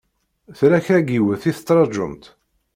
Tella kra n yiwet i tettṛajumt?